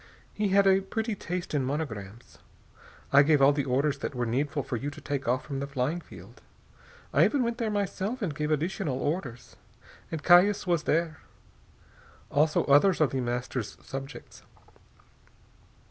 He had a pretty taste in monograms.... I gave all the orders that were needful for you to take off from the flying field. I even went there myself and gave additional orders. And Calles was there. Also others of The Master's subjects.